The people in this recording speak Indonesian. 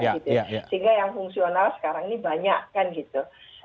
sehingga yang fungsional sekarang ini banyak kan gitu